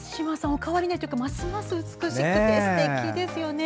お変わりないというかますます美しくてすてきですよね。